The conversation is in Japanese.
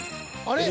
あれ！？